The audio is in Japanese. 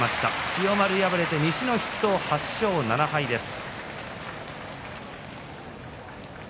千代丸、敗れて西の筆頭８勝７敗です。